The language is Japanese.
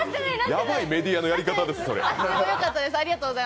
やばいメディアのやり方ですよ。